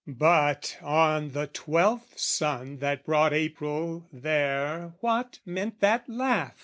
But on the twelfth sun that brought April there What meant that laugh?